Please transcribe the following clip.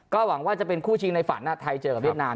ก็หวังว่าจะเป็นคู่ชิงในฝันไทยเจอกับเวียดนาม